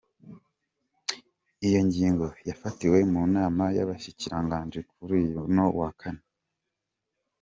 Iyo ngingo yafatiwe mu nama y'abashikiranganji yo kuri uno wa kane.